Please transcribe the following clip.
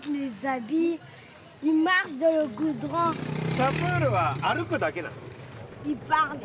サプールは歩くだけなの？